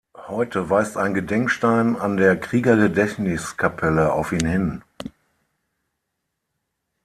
Heute weist ein Gedenkstein an der Kriegergedächtniskapelle auf ihn hin.